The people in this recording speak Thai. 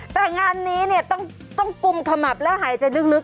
แต่งานนี้เนี่ยต้องกุมขมับและหายใจลึก